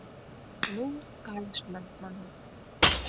— Ну, кайышна! — маныт.